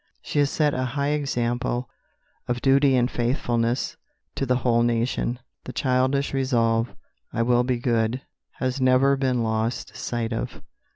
She has set a high example of duty and faithfulness to the whole nation. The childish resolve, "I will be good," has never been lost sight of.